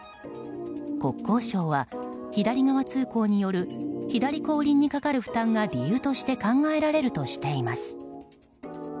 国交省は左側通行による左後輪にかかる負担が理由として考えられるとしています。